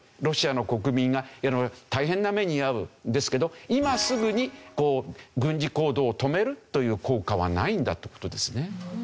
ロシアの国民が色々大変な目に遭うんですけど今すぐに軍事行動を止めるという効果はないんだという事ですね。